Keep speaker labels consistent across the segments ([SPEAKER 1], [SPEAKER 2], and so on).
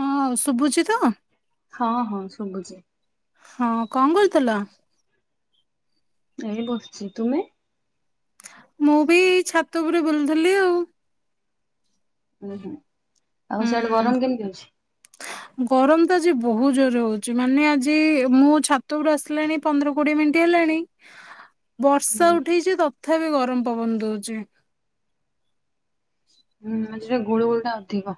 [SPEAKER 1] ହଁ ଶୁଭୁଛି ତ?
[SPEAKER 2] ହଁ ହଁ ଶୁଭୁଛି।
[SPEAKER 1] ହଁ କଣ କରୁଥିଲ?
[SPEAKER 2] ଏଇ ବସିଛି ତୁମେ?
[SPEAKER 1] ମୁଁ ବି ଏଇ ଛାତ ଉପରେ ବୁଲୁଥିଲି ଆଉ।
[SPEAKER 2] ଉୁଁ ହୁଁ ଆଉ ସିଆଡେ
[SPEAKER 1] ହୁଁ
[SPEAKER 2] ଗରମ କେମିତି ହୋଉଛି?
[SPEAKER 1] ଗରମ ତ ଆଜି ବହୁତ ଜୋର୍ ରେ ହୋଉଛି ମାନେ ଆଜି ମୁଁ ଛାତ ଉପରକୁ ଆସିଲାଣି ପନ୍ଦର କୋଡିଏ ମିନିଟ୍ ହେଲାଣି
[SPEAKER 2] [inaudible]
[SPEAKER 1] ବର୍ଷା
[SPEAKER 2] ହୁଁ
[SPEAKER 1] ଉଠେଇଛି ତଥାପି ଗରମ ପବନ ଦଉଛି।
[SPEAKER 2] ହୁଁ ଆଜି ଟିକେ ଗୁଳୁ ଗୁଳି ଟା ଅଧିକ।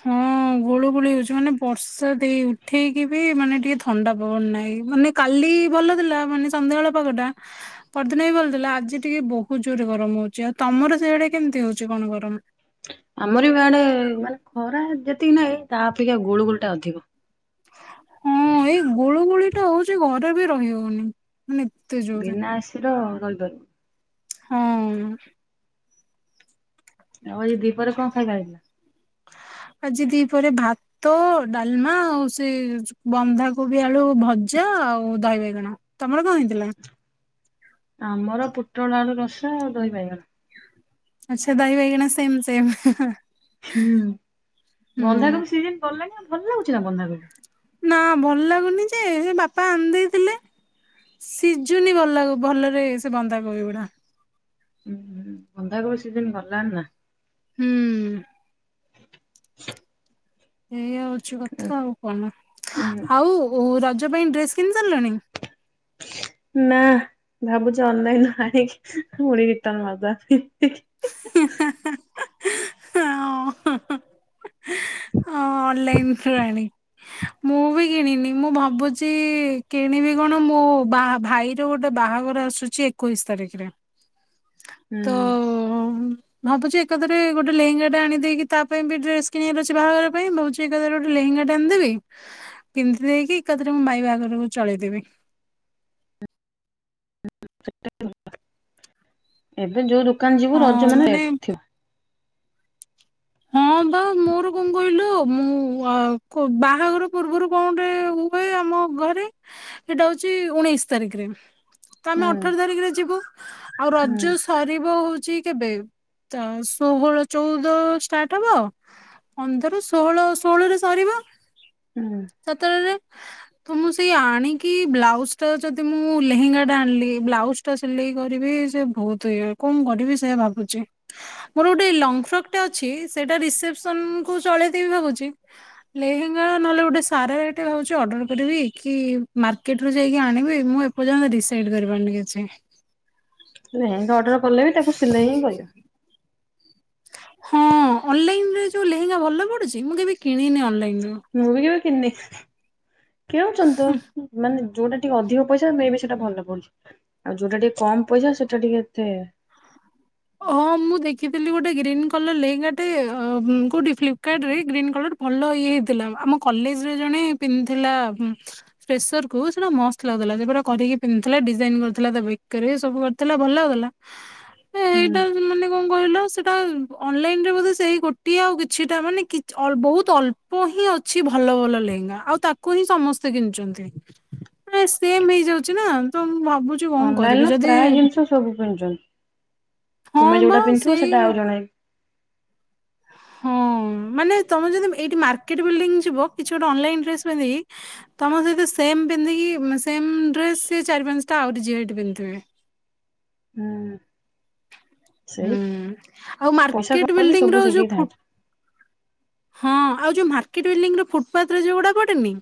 [SPEAKER 1] ହୁଁ ହୁଁ ଗୁଳୁ ଗୁଳି ହେଉଛି ମାନେ ବର୍ଷା ଦେଇ ଉଠେଇକି ବି ମାନେ ଟିକେ ଥଣ୍ଡା ପବନ ନାହିଁ। ମାନେ- କାଲି ଭଲ ଥିଲା ମାନେ ସନ୍ଧ୍ୟାବେଳ ପାଗଟା ପରଦିନ ବି ଭଲଥିଲା ଆଜି ଟିକେ ବହୁତ ଜୋର୍ ରେ ଗରମ ହୋଉଛି। ଆଉ ତମର ସେଆଡେ କେମିତି ହଉଛି କଣ ଗରମ?
[SPEAKER 2] ଆମର ବି ଆଡେ ମାନେ ଖରା ଯେତିକି ନାହିଁ ତା ଅପେକ୍ଷା ଗୁଳୁ ଗୁଳି ଟା ଅଧିକ।
[SPEAKER 1] ହୁଁ ହଁ ଏଇ ଗୁଳୁ ଗୁଳି ଟା ହୋଉଛି ଘରେ ବି ରହି ହୋଉନି।
[SPEAKER 2] ବିନା ଏସି ର ରହି ପାରୁନି।
[SPEAKER 1] ହଁ ହୁଁ।
[SPEAKER 2] ହଁ ଏ ଦୀପହରେ କଣ ଖାଇବା ହେଇଥିଲା?
[SPEAKER 1] ଆଜି ଦି ପହରେ ଭାତ ତ ଡାଲମା ଆଉ ସେ ବନ୍ଧାକୋବି ଆଳୁ ଭଜା ଆଉ ଦହି ବାଇଗଣ। ତମର କଣ ହେଇଥିଲା?
[SPEAKER 2] ଆମର ପୁଟୋଳ ଆଳୁ ରସା ଆଉ ଦହି ବାଇଗଣ।
[SPEAKER 1] ଆଚ୍ଛା ଦହି ବାଇଗଣ ସେମ ସେମ।
[SPEAKER 2] ହୁଁ ବନ୍ଧାକୋବି ସିଜିନ ଗଲାଣି ଵା ଭଲ ଲାଗୁଚି ନା ବନ୍ଧାକୋବି?
[SPEAKER 1] ନା ଭଲ ଲାଗୁନି ଯେ ବାପା ଆଣି ଦେଇଥିଲେ। ସିଝୁନି ଭଲ ଭଲରେ ସେ ବନ୍ଦା କୋବି ଗୁଡା।
[SPEAKER 2] ବନ୍ଧାକୋବି ସିଜିନ ଗଲାଣି ନା।
[SPEAKER 1] ହୁଁ। ଏଇଆ ହଉଛି କଥା ଆଉ କଣ
[SPEAKER 2] ଉଁ
[SPEAKER 1] ଆଉ ରଜ ପାଇଁ ଡ୍ରେସ କିଣି ସାରିଲାଣି?
[SPEAKER 2] ନା। ଭାବୁଛି ଅନଲାଇ ରୁ ଅନିକି ପୁଣି ରିଟନ ମାରିଦବା ପାଇ।
[SPEAKER 1] ହଁ ହେଁ ହେଁ। ହ ଅନ୍ଲାଇନ ରୁ ଆଣେ। ମୁଁ ବି କିଣିନି ମୁଁ ଭାବୁଛି କିଣିବି କଣ ମୋ ବା ଭାଇ ଯେଉଁ ଗୋଟେ ବାହାଘର ଆସୁଛି ଏକୋଇଶ ତାରିଖରେ।
[SPEAKER 2] ହୁଁ।
[SPEAKER 1] ତ ଭାବୁଛି ଏକାଥରେ ଗୋଟେ ଲେହେଗା ଟା ଆଣି ଦେଇକି ତା ପାଇଁ ବି ଡ୍ରେସ କିଣିବାର ଅଛି ବାହାଘର ପାଇଁ ଭାବୁଛି ଏକାଥରେ ଗୋଟେ ଲେହେଙ୍ଗା ଟେ ଆଣିଦେବି ପିନ୍ଧି ଦେଇକି ଏକାଥରେ ମୁଁ ମୋ ଭାଇ ବାହାଘରକୁ ଚଳେଇଦେବି।
[SPEAKER 2] ଏବେ ଯୋଉ ଦୋକାନ ଯିବୁ ରଜ ମାନେ ରେଟ ଥିବ।
[SPEAKER 1] ହଁ ବା ମୋର କହିଲ ମୁଁ ବାହାଘର ପୂର୍ବରୁ କଣ ଗୋଟେ ହୁଏ ଆମ ଘରେ ସେଇଟା ହଉଛି ଉଣେଇଶି ତାରିଖରେ ତ
[SPEAKER 2] ହୁଁ
[SPEAKER 1] ଆମେ ଅଠର ତାରିଖରେ ଯିବୁ। ଆଉ
[SPEAKER 2] ହୁଁ।
[SPEAKER 1] ରଜ ସରିବ ହଉଛି କେବେ ଷୋହଳ ଚଉଦ ଷ୍ଟାର୍ଟ ହବ ପନ୍ଦର ଷୋହଳ, ଷୋହଳରେ ସରିବ
[SPEAKER 2] ହୁଁ।
[SPEAKER 1] ସେତେଳେରେ ତ ମୁଁ ସେଇ ଆଣିକି ବ୍ଲାଉଜଟା ଯଦି ମୁଁ ଲେହେଙ୍ଗା ଟା ଆଣିଲି ବ୍ଲାଉଜ ତ ସିଲେଇ କରିବି ସେବହୁତ୍ ଇଏ କଣ କରିବି ସେୟା ଭାବୁଚି। ମୋର ଗୋଟେ ଲଙ୍ଗ ଫ୍ରକ୍ ଟେ ଅଛି ସେଇଟା ରିସେପସନ୍ କୁ ଚଳେଇ ଦେବି ଭାବୁଚି ଲେହେଙ୍ଗା ନହେଲେ ଗୋଟେ ସାରାରାଟେ ଭାବୁଚି ଅର୍ଡର କରିବି କିମାର୍କେଟରୁ ଯାଇକି ଆଣିବି ମୁଁ ଏପ ଏଜାକେ ଡିସାଇଡ୍ କରିପାରୁନି କିଛି।
[SPEAKER 2] ଲେହେଙ୍ଗା ଅର୍ଡର କଲେବି ତାକୁ ସିଲେଇହିଁ କରିବ।
[SPEAKER 1] ହଁ ଅନଲାଇନ୍ ରେ ଯୋଉ ଲେହେଙ୍ଗା ଭଲ ପଡ଼ୁଚି ମୁଁ କେବେ କିଣିନି ଅନଲାଇନରୁ।
[SPEAKER 2] ମୁଁବି କେବେ କିିଣିନି କିଣୁଚନ୍ତିତ ମାନେ ଯୋଉଟା ଟିକେ ଅଧିକ ପଇସା ମେବି ସେଇଟା ଭଲ ପଡ଼ୁଚି, ଆଉ ଯୋଉଟା ଟିକେ କମ୍ ପଇସା ସେଟା ଟିକେ ଏତେ
[SPEAKER 1] ହଁ
[SPEAKER 2] [inaudible]
[SPEAKER 1] ମୁଁ ଦେଖିଥିଲି ଗୋଟେ ଗ୍ରୀନ୍ କଲର୍ ଲେହେଗାଟେ କୋଉଠି ଫିକାର୍ଟରେ ଗ୍ରୀନ୍ କଲର୍ ଭଲ ଇଏ ହେଇଥିଲା ଆମ କଲେଜରେ ଜଣେ ପିନ୍ଧିଥିଲା ଫେସରକୁ ସେଟା ମସ୍ତ ଲାଗୁଥିଲା ସେପୁରା କରିକି ପିନ୍ଧିଥିଲା ଡିଜାଇନ୍ କରିଥିଲା ତାବେକରେ ସବୁ କ ତେଲେ ଭଲ ଲାଗୁଲା
[SPEAKER 2] ହୁଁ
[SPEAKER 1] କଣ କହିଲ ସେଟା ଅନଲାଇନରେ ବୋଧେ ସେଇ ଗୋଟିଏ ଆଉ କିଛିଟା ମାନେ କିଚି ଅ ବହୁତ୍ ଅଲ ଅଳ୍ପହିଁ ଅଛି ଭଲ ଭଲ ଲେହେଙ୍ଗା ଆଉ ତାକୁହିଁ ସମସ୍ତେ କିଣିଚନ୍ତି।
[SPEAKER 2] [inaudible]
[SPEAKER 1] ପୁରା ସେମ୍ ହେଇଯାଉଚିନା ତ ମୁଁ ଭାବୁଚି କଣ
[SPEAKER 2] ଅନଲାଇନ ର
[SPEAKER 1] କରିବି ଯଦି
[SPEAKER 2] ପ୍ରାୟ ଜିନିଷ ସବୁ ପିନ୍ଧିୁଚନ୍ତି
[SPEAKER 1] ହଁ
[SPEAKER 2] ତୁମେ
[SPEAKER 1] ବା
[SPEAKER 2] ଯୋଉଟା ପିନ୍ଧିଥିବ
[SPEAKER 1] ସେଇ
[SPEAKER 2] ସେଟା ଆଉ ଜଣେଇବି
[SPEAKER 1] ହଁ ମାନେ ତମେ ଯଦି ଏଇଠି ମାର୍କେଟ ବିଲଡିଙ୍ଗ୍ ଯିବ କିଛି ଗୋଟେ ଅନଲାଇନ୍ ଡ୍ରେସ୍ ପନ୍ଧିକି ତମ ସହିତ ସେମ୍ ପିନ୍ଧିକି ସେମ୍ ଡ୍ରେସ୍ ସେଚାରି ପାଞ୍ଚଟା ଆହୁରି ଝିଅ ଏଇଠି ପିନ୍ଧିଥିବେ।
[SPEAKER 2] ହୁଁ ସେଇ
[SPEAKER 1] ହୁଁ ଆଉ
[SPEAKER 2] ପଇସା
[SPEAKER 1] ମାର୍କେଟ
[SPEAKER 2] କଲେ ସବୁ
[SPEAKER 1] ବିଲ୍ଡିଙ୍ଗର
[SPEAKER 2] ସେଇଠି
[SPEAKER 1] ଯୋଉ
[SPEAKER 2] ଥାଏ।
[SPEAKER 1] ଫୁଟ୍ ହଁ ଆଉ ଯୋଉ ମାର୍କେଟ ବିଲଡିଙ୍ଗର ଫୁଟ୍ ପାତରେ ଯୋଉଗୁଡ଼ା ପଡ଼େନି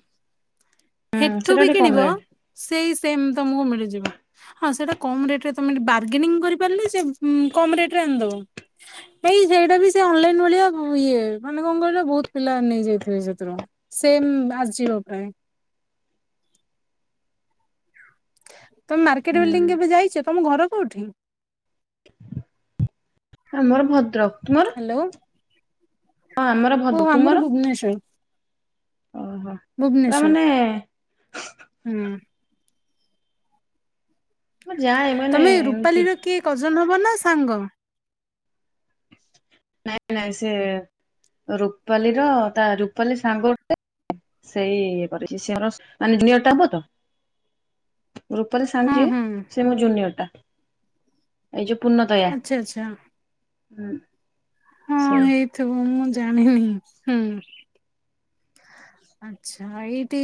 [SPEAKER 2] ହୁଁ ସେଟା
[SPEAKER 1] ହେଠୁବି
[SPEAKER 2] ଟିକେ କମ
[SPEAKER 1] କିଣିବ
[SPEAKER 2] ରେଟ
[SPEAKER 1] ସେଇ ସେମ୍ ତମକୁ ମିଳିଯିବ। ହଁ ସେଇଟା କମ୍ ରେଟରେ ତମେ ବାର୍ଗେନିଂ କରିପାରିଲେ ଯେ କମ୍ ରେଟରେ ଆଣିଦେବ। ନାଇଁ ସେଇଟାବି ସେ ଅନଲାଇନ୍ ଭଳିଆ ଇଏ ମାନେ କଣ କହିଲ ବହୁତ୍ ପିଲା ନେଇଯାଇଥିବେ ସେଥିରୁ ସେମ୍ ଆସିଯିବ ପ୍ରାୟେ। ତମେ ମାର୍କେଟ ବିଲଡିଂ
[SPEAKER 2] ହୁଁ।
[SPEAKER 1] କେବେ ଯାଇଚ ତମ ଘର କୋଉଠି?
[SPEAKER 2] ଆମର ଭଦ୍ରକ ତୁମର
[SPEAKER 1] ହ୍ୟାଲୋ
[SPEAKER 2] ହଁ ଆମର ଭ ତୁମର?
[SPEAKER 1] ଭୂବନେଶ୍ବର।
[SPEAKER 2] ଓହୋ। ପୁରା
[SPEAKER 1] ଭୁବନେଶ୍ୱର
[SPEAKER 2] ମାନେ
[SPEAKER 1] ହୁଁ।
[SPEAKER 2] ମୁଁ ଯାଏ ମାନେ
[SPEAKER 1] ତମେ
[SPEAKER 2] ଏମିତି
[SPEAKER 1] ରୁପାଲିର କିଏ କଜନ ହବନା ସାଙ୍ଗ?
[SPEAKER 2] ନାଇଁ ନାଇଁ ସେ ରୁପାଲିର ତା ରୂପାଲି ସାଙ୍ଗର ସେଇ ଇଏ କରିଚି ସିଏମୋର ମାନେ ଜୁନିଅର୍ଟା ହବତ। ରୂପାଲି ସାଙ୍ଗ
[SPEAKER 1] ହଁ
[SPEAKER 2] ଯିଏ
[SPEAKER 1] ହଁ
[SPEAKER 2] ସିଏ ମୋ ଜୁନିଅର୍ଟା। ଏଇ ଯୋଉ ପୂର୍ଣ୍ଣଦୟା
[SPEAKER 1] ଆଚ୍ଛା ଆଚ୍ଛା
[SPEAKER 2] ଉଁ
[SPEAKER 1] ହଁ
[SPEAKER 2] ସେଇ।
[SPEAKER 1] ହେଇଥିବ ମୁଁ ଜାଣିନି ହୁଁ। [unintelligible] ଆଚ୍ଛା ଏଇଠି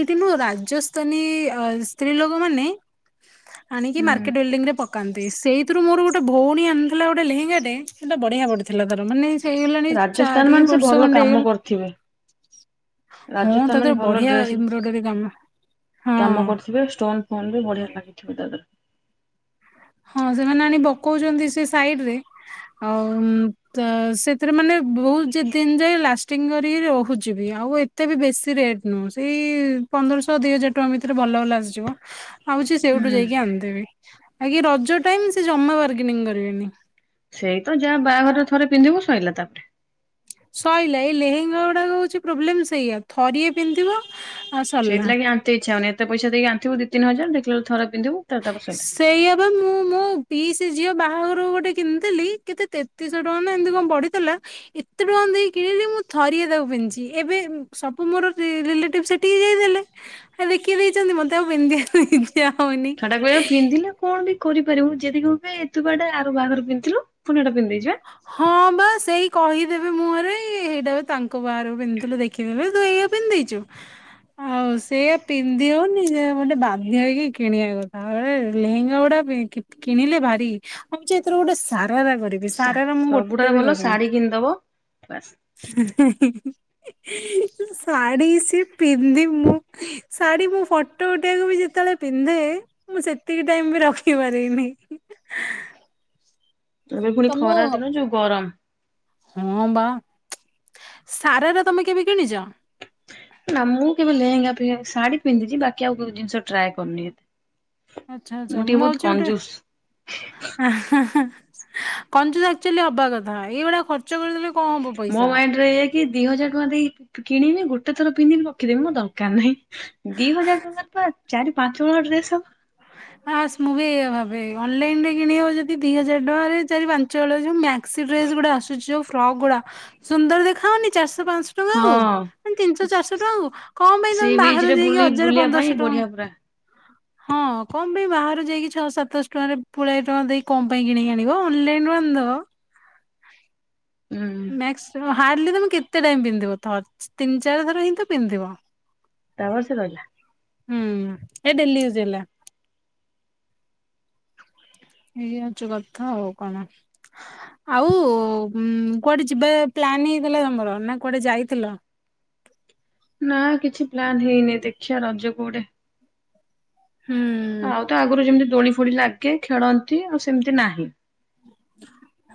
[SPEAKER 1] ଏଇଠିମ ରାଜସ୍ଥାନୀ ସ୍ତ୍ରୀ ଲୋକମାନେ ଆଣିକି
[SPEAKER 2] ହୁଁ
[SPEAKER 1] ମାର୍କେଟ ବିଲଡିଂରେ ପ ପକାନ୍ତି ସେଇଥିରୁ ମୋର ଗୋଟେ ଭଉଣୀ ଆଣିଥିଲା ଗୋଟେ ଲେହେଙ୍ଗାଟେ ସେଟା ବଢିଆ ବଢିଥିଲା ତାର ମାନେ ହେଇଗଲାଣି ଚାରି ବର୍ଷ ଖଣ୍ଡେ ହେଇଗଲା
[SPEAKER 2] ଥିବେ।
[SPEAKER 1] ହଁ ତତେ
[SPEAKER 2] ଭଲ
[SPEAKER 1] ବଢିଆ
[SPEAKER 2] ଡ୍ରେସ
[SPEAKER 1] ଏମ୍ବ୍ରୋଡରୀ କାମ ହଁ
[SPEAKER 2] କାମ କରିଥିବେ ଷ୍ଟୋନ୍ ଫୋନ୍ ବି ବଢିଆ ଲାଗିଥିବ ତା ଦେହରେ।
[SPEAKER 1] ହଁ ସେମାନେ ଆଣିକି ପକଉଚନ୍ତି ସେ ସାଇଡ୍ ରେ। ଆଉ ତ ସେଥିରେ ମାନେ ବହୁତ୍ ଦିନି ଯାଏ ଲାଷ୍ଟିଙ୍ଗ୍ କରିକି ରହୁଚି ବି ଆଉ ଏତେ ବି ବେଶୀ ରେଟ୍ ନୁହଁ ସେଇ ପନ୍ଦରଶ ଦି ହଜାର ଟଙ୍କା ଭିତରେ ଭଲ ଭଲ ଆସିଯିବ। ଭାବୁଚି ସେଉଠୁ
[SPEAKER 2] ହୁଁ
[SPEAKER 1] ଯାଇକି ଆଣିଦେବି ବାକି ରଜ ଟାଇମ୍ ସେ ଜମା ବାର୍ଗେନିଂ କରିବେନି।
[SPEAKER 2] ସେଇ ତ ଯାହା ବାହାଘର ରେ ଥରେ ପିନ୍ଧିବୁ ସଇଲା ତାପରେ।
[SPEAKER 1] ସଇଲା ଏଇ ଲେହେଙ୍ଗା ଗୁଡାକ ହଉଚି ପ୍ରୋବ୍ଲେମ୍ ସେଇଆ ଥରିଏ ପିନ୍ଧିଥିବ
[SPEAKER 2] ସେଇଥିଲାଗି ଆଣିତେ ଇଚ୍ଛା ହଉନି ଏତେ ପଇସା ଦେଇକି ଆଣିଥିବୁ ଦି ତିିନି ହଜାର ଦେଖିଲାବେଳକୁ ଥରେ ପିନ୍ଧିବୁ ତାପରେ ସଇଲା।
[SPEAKER 1] ସେଇଆ ପା ମୁଁ ମୋ ପିଇସି ଝିଅ ବାହାଘର କୁ ଗୋଟେ କିଣିଥିଲି କେତେ ତେତ୍ ତେତିିଶ ଟଙ୍କା ନା ଏମିତି କଣ ପଡ଼ିଥିଲା ଏତେ ଟଙ୍କା ଦେଇ କିଣିଲି ମୁଁ ଥରିଏ ତାକୁ ପିନ୍ଧିଚି ଏବେ ସବୁ ମୋର ରି-ରିଲେଟିଭ୍ ସେ
[SPEAKER 2] [inaudible]
[SPEAKER 1] ଦେଖି ଦେଇଚନ୍ତି ମତେ ଆଉ ପିନ୍ଧିବାକୁ ଇଚ୍ଛା ହଉନି।
[SPEAKER 2] ଛୁଆଟାକୁ ଏବେ ପିନ୍ଧିଲେ କଣ୍ ବି କରିପାରିବୁ ଯଦି କହିବେ ତୁ ପା ଏଟା ଆର ବାହାଘର ରେ ପିନ୍ଧିଥିଲୁ ପୁଣି ଏଟା ପିନ୍ଧି ଦେଇଚୁ ଆଁ।
[SPEAKER 1] ହଁ ବା ସେଇ କହିଦେବେ ମୁଁହଁ ରେ ହେଇଟା ପା ତାଙ୍କ ବାହାଘର କୁ ପିନ୍ଧିଥିଲୁ ଦେଖ୍ ଦେଖିଥିଲୁ ତୁ ଏଇଆ ପିନ୍ଧି ଦେଇଚୁ। ଆଉ ସେଇଆ ପିନ୍ଧି ହଉନି ଯେ ଗୋଟେ ବାଧ୍ୟ ହେଇକି କିଣିବା କଥା ଲେହେଙ୍ଗା ଗୁଡା ପି କି-କିଣିଲେ ଭାରି ମୁଁ ଭାବୁଚି ଏଥର ଗୋଟେ ସାରାରା କରିବି।
[SPEAKER 2] ସା
[SPEAKER 1] ସାରାରା ମୁଁ ଗୋଟେ
[SPEAKER 2] ସବୁଠାରୁ
[SPEAKER 1] ବି
[SPEAKER 2] ଭଲ
[SPEAKER 1] କରିନି।
[SPEAKER 2] ଶାଢୀ କିଣିଦବ ବାସ୍
[SPEAKER 1] ଶାଢୀ ସିଏ ପିନ୍ଧି ମୁଁ ଶାଢ଼ୀ ମୁଁ ଫଟୋ ଉଠାଇବାକୁ ବି ଯେତେବେଳେ ପିନ୍ଧେ ମୁଁ ସେତିକି ଟାଇମ୍ ବି ରଖି ପାରିବିନି।
[SPEAKER 2] ଏବେ ପୁଣି ଖରା ଦିନ ଯଉ ଗରମ୍।
[SPEAKER 1] ସାରାରା ତମେ କେବେ କିଣିଚ?
[SPEAKER 2] ନା ମୁଁ କେବେ ଲେହେଙ୍ଗା ଫେହେଙ୍ଗା- ଶାଢୀ ପିନ୍ଧିଛି ବାକି ଆଉ କଉ ଜିନ୍ସ ଟ୍ରାଏ କରିନି ଏତେ।
[SPEAKER 1] ଆଚ୍ଛା- ଆଚ୍ଛା
[SPEAKER 2] ଟିକେ
[SPEAKER 1] ମୁଁ
[SPEAKER 2] ବହୁତ
[SPEAKER 1] ଯଉଟା
[SPEAKER 2] କଞ୍ଜୁସ୍।
[SPEAKER 1] ଆଁ-ହାଁ-ହାଁ। କଞ୍ଜୁସ୍ ଆକ୍ଟୁଆଲି ହବା କଥା ଏଇଭଳିଆ ଖର୍ଚ୍ଚ କରିଦେଲେ କଣ ହବ
[SPEAKER 2] ମୋ
[SPEAKER 1] ପଇସା।
[SPEAKER 2] ମାଇଣ୍ଡ୍ ରେ ଏଇଆ କି ଦି ହଜାର ଟଙ୍କା ଦେଇ କିଣିବି ଗୋଟେ ଥର ପିନ୍ଧିବି ରଖିଦେବି ମୋର ଦରକାର୍ ନାହିଁ। ଦି ହଜାର୍ ଟଙ୍କାରେ ପା ଚାରି ପାଞ୍ଚ ହଳ ଡ୍ରେସ୍ ହବ।
[SPEAKER 1] ହାସ୍ ମୁଁ ବି ଏଇଆ ଭାବେ ଅନଲାଇନ୍ ରେ କିଣିଦବ ଯଦି ଦି ହଜାରେ ଟଙ୍କାରେ ଚାରି ପାଞ୍ଚ ହଳ ଯଉ ମ୍ୟା ସିଡ୍ରେସ ଗୁଡା ଆସୁଚି ଯଉ ଫ୍ରକ୍ ଗୁଡା ସୁନ୍ଦର୍ ଦେଖା ଯାଉନି ଚାରିଶ ପାଆଁସ
[SPEAKER 2] ହଁ।
[SPEAKER 1] ତିନିଶ ଚାରିଶ ଟଙ୍କା କୁ କଣ ପାଇଁ
[SPEAKER 2] ସି
[SPEAKER 1] ତମେ
[SPEAKER 2] ବିଚ୍
[SPEAKER 1] ବାହାରେ
[SPEAKER 2] ରେ
[SPEAKER 1] ଯାଇକି
[SPEAKER 2] ବୁଲି
[SPEAKER 1] ହଜାରେ
[SPEAKER 2] ବୁଲିବା ପାଇଁ
[SPEAKER 1] ପନ୍ଦରଶ
[SPEAKER 2] ବଢିଆ ପୁରା
[SPEAKER 1] ଟଙ୍କା ହଁ। କଣ ପାଇଁ ବାହାରୁ ଯାଇକି ଛଅ ସାତଶ ଟଙ୍କାରେ ପୁଳାଏ ଟଙ୍କା ଦେଇ କଣ ପାଇଁ କିଣିକି ଆଣିବ ଅନଲାଇନ୍ ରୁ ଆଣିଦବ।
[SPEAKER 2] [unintelligible] ହୁଁ
[SPEAKER 1] ମ୍ୟାକ୍ସ୍ [unintelligible] ହାଡ୍ଲି ତମେ କେତେ ଟାଇମ୍ ପିନ୍ଧିବ ଥ- ତିନି ଚାରି ଥର ହିଁ ତ ପିନ୍ଧିବ।
[SPEAKER 2] ତା ବର୍ଷ ରହିଲା।
[SPEAKER 1] ହୁଁ ଏ ଡେଲିଇଉଜ୍ ହେଲା। ଏଇଆ ହଉଚି କଥା ଆଉ କଣ। ଆଉ କୁଆଡେ ଯିବା ପ୍ଲାନ୍ ହେଇଥିଲା ତମର ନା କୁଆଡେ ଯାଇଥିଲ?
[SPEAKER 2] ନା କିଛି ପ୍ଲାନ୍ ହେଇନି ଦେଖିଆ ରଜ କୋଡେ।
[SPEAKER 1] ହୁଁ।
[SPEAKER 2] ଆଉ ତ ଆଗୁରୁ ଯେମିତି ଦୋଳି ଫୋଳି ଲାଗେ ଖେଳନ୍ତି ଆଉ ସେମିତି ନାହିଁ।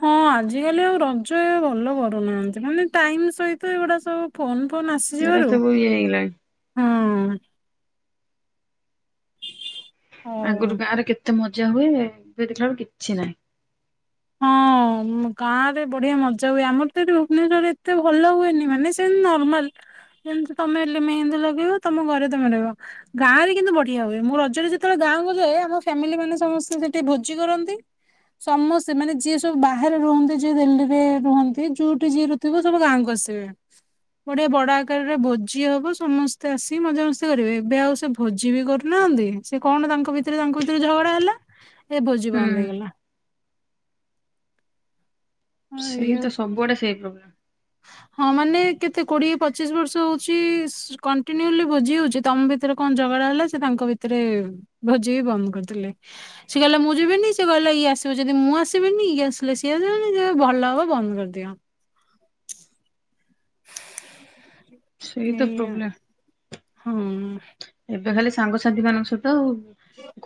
[SPEAKER 1] ହଁ ଆଜିକାଲି ଆଉ ରଜ ଏ ଭଲ କରୁନାହାନ୍ତି ମାନେ ଟାଇମ ସହିତ ଏଗୁଡା ସବୁ। ଫୋନ୍ ଫୋନ୍
[SPEAKER 2] ଏରା
[SPEAKER 1] ଆସିଯିବାରୁ।
[SPEAKER 2] ସବୁ ଇଏ ହେଇଗଲାଣି ଆଗୁରୁ
[SPEAKER 1] ଆଉ
[SPEAKER 2] ଗାଁରେ କେତେ ମଜା ହୁଏ ଏବେ ଦେଖିଲାବେଳୁ କିଛି ନାହିଁ।
[SPEAKER 1] ହଁ ଗାଁରେ ବଢିଆ ମଜା ହୁଏ ଆମର ତ ଏଠି ଭୁବନେଶ୍ଵରରେ ଏତେ ଭଲ ହୁଏନି ମାନେ ସେମ୍ ନର୍ମାଲ। ଯେମତି ତମେ ମେହେନ୍ଦୀ ଲଗେଇବ ତମ ଘରେ ତମେ ରହିବ। ଗାଁ ରେ କିନ୍ତୁ ବଢିଆ ହୁଏ ମୁଁ ରଜରେ ଯେତେବେଳେ ଗାଁକୁୁ ଯାଏ ଆମ ଫ୍ୟାମିଲି ମାନେ ସମସ୍ତେ ସେଠି ଭୋଜି କରନ୍ତି। ସମସ୍ ସେମାନେ ଯିଏ ସବୁ ବାହାରେ ରୁହନ୍ତି ଯିଏ ଦିଲ୍ଲୀରେ ରୁହନ୍ତି ଯୋଉଠି ଯିଏ ରଥିବ ସବୁ ଗାଁକୁ ଆସିବେ। ବଡି ଏ ବଡ ଆକାରରେ ଭୋଜି ହବ ସମସ୍ତେ ଆସିି ମଜାମସ୍ତି କରିବେ ଏବେ ଆଉ ସେ ଭୋଜି ବି କରୁନାହାନ୍ତି ସେ କଣ ତାଙ୍କ ଭିତରେ ତାଙ୍କ ଭିତରେ ଝଗଡା ହେଲା ଏ ଭୋଜି ବନ୍ଦ
[SPEAKER 2] ହୁଁ
[SPEAKER 1] ହେଇଗଲା।
[SPEAKER 2] ସେଏ
[SPEAKER 1] ଇଏ
[SPEAKER 2] ତ ସବୁଆଡେ ସେଇ ପ୍ରୋବ୍ଲେମ୍।
[SPEAKER 1] ହଁ ମାନେ କେତେ କୋଡିଏ ପଚିଶ ବର୍ଷ ହଉଛି ସୁ କଣ୍ଟିନ୍ୟୁଲି ଭୋଜି ହଉଛି ତମ ଭି ଭିତରେ କଣ ଝଗଡା ହେଲା ସେ ତାଙ୍କ ଭିତରେ ଭୋଜି ବି ବନ୍ଦ କରିଦେଲେ। ସି କହିଲେ ମୁଁ ଯିବିନି ସେ କହିଲା ଇଏ ଆସିବ ଯଦି ମୁଁ ଆସିବିନି ଇଏ ଆସିଲେ ସିଏ ଆସିବେନି ଭଲ ହବ ବନ୍ଦ କରିଦିଅ।
[SPEAKER 2] ସେଇ ତ ପ୍ରୋବ୍ଲେମ୍।
[SPEAKER 1] ହୁଁ।
[SPEAKER 2] ଏବେ ଖାଲି ସାଙ୍ଗସାଥି ମାନଙ୍କ ସହିତ ଆଉ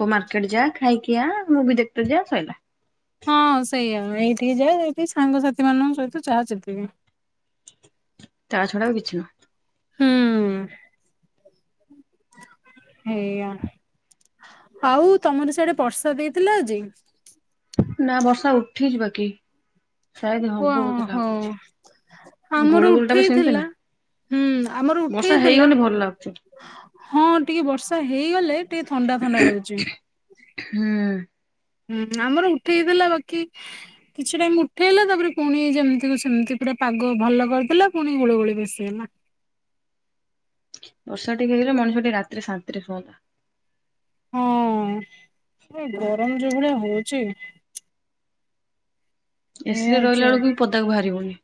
[SPEAKER 2] କୋମାର କହିଲି ଯା ଖାଇ କି ଆ ମୁଁ ବି [unintelligible] ସଇଲା।
[SPEAKER 1] ହଁ ସେଇଆ ଏଇଠିକି ଯାଏ ବି ସାଙ୍ଗସାଥି ମାନଙ୍କ ସହିତ ଯହା ଯେତିିକି।
[SPEAKER 2] ତା ଛଡା ଆଉ କିଛି ନୁହଁ।
[SPEAKER 1] ହେଇୟା। ହଉ ତମର ସିଆଡେ ବର୍ଷା ଦେଇଥିଲା ଆଜି।
[SPEAKER 2] ନା ବର୍ଷା ଉଠିଯି ବାକି। ସାୟଦ ହବ
[SPEAKER 1] ଓ
[SPEAKER 2] ବୋଧେ
[SPEAKER 1] ହଉ
[SPEAKER 2] ଲାଗୁଛି ଗୁଳୁ
[SPEAKER 1] ଆମର
[SPEAKER 2] ଗୁଳି ଟା ବି ସେମିତି
[SPEAKER 1] ଉଠେଇଥିଲା।
[SPEAKER 2] ନା
[SPEAKER 1] ହୁଁ ଆମର
[SPEAKER 2] ବର୍ଷା
[SPEAKER 1] ଉଠେଇଥିଲା।
[SPEAKER 2] ହେଇଗଲେ ଭଲ ଲାଗୁଛି
[SPEAKER 1] ହଁ ଟିକିଏ ବର୍ଷା ହେଇଗଲେ ଟିକିଏ ଥଣ୍ଡା ଥଣ୍ଡା ଲାଗୁଛି।
[SPEAKER 2] ହୁଁ।
[SPEAKER 1] ହୁଁ ଆମର ଉଠେଇ ଦେଲା ବାକି କିଛି ଟାଇମ ଉଠେଇଲା ତାପରେ ପୁଣି ଯେମିତି କୁ ସେମିତି ପୁରା ପାଗ ଭଲ କରିଦେଲା ପୁଣି ଗୁଳ ଗୁଳି ବେଶି ହେଲା।
[SPEAKER 2] ବର୍ଷା ଟିକିଏ ହେଲେ ମଣିଷ ଟିକେ ଶାନ୍ତିରେ ଶୁଅନ୍ତା।
[SPEAKER 1] ହଁ ଗରମ ଯୋଉ ଭଳିଆ ହଉଛି। ଏ
[SPEAKER 2] ଏସି ରେ ରହିଲା
[SPEAKER 1] ହଉଛି
[SPEAKER 2] ବୁଳୁକୁ ବି ପଦାକୁ ବାହାରି ହଉନି।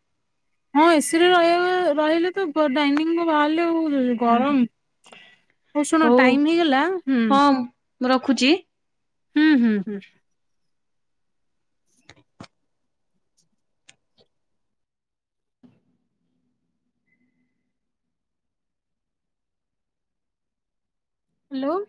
[SPEAKER 1] ହଁ ଏସି ରେ ରହିଆ ରହିଲେ ତ ବ ଡାଇନିଙ୍ଗ କୁ ବାହାରିଲେ ଆଉ [unintelligible]
[SPEAKER 2] ହୁଁ।
[SPEAKER 1] ଗରମ ହଉ ଶୁଣ
[SPEAKER 2] ହଉ
[SPEAKER 1] ଟାଇମ ହେଇଗଲା ହୁଁ।
[SPEAKER 2] ହଁ ମୁଁ ରଖୁଚି।
[SPEAKER 1] ହୁଁ ହୁଁ ହୁଁ। ହାଲୋ।